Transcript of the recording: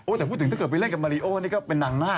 แต่พูดถึงถ้าเกิดไปเล่นกับมาริโอนี่ก็เป็นนางหน้า